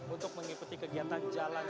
untuk mengikuti kegiatan jalur panturan